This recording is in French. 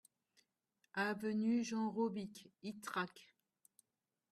Avenue Jean Robic, Ytrac